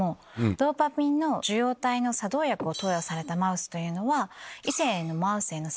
ドーパミンの受容体の作動薬を投与されたマウスは。